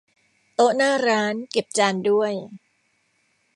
โต๊ะหน้าร้าน เก็บจานด้วย